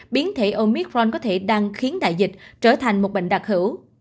biến thể omitron có thể đang khiến đại dịch trở thành một bệnh đặc hữu